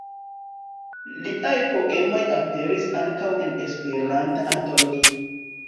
Liaj poemoj aperis ankaŭ en "Esperanta Antologio".